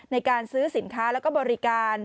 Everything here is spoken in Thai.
ในการซื้อสินค้าแล้วก็บริการ